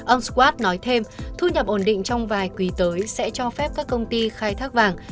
ông squad nói thêm thu nhập ổn định trong vài quý tới sẽ cho phép các công ty khai thác vàng